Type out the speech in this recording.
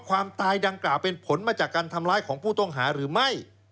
ความตายดังกล่าวเป็นผลมาจากการทำร้ายของผู้ต้องหาหรือไม่